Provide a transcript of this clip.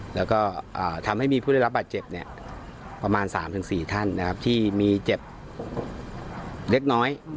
แล้วก็ทำให้มีผู้ได้รับบาดเจ็บประมาณ๓๔ท่านที่มีเจ็บเล็กน้อย